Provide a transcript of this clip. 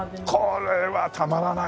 これはたまらないな。